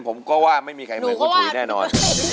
ผมก็ว่าไม่มีใครเหมือนคุณถุยแน่นอน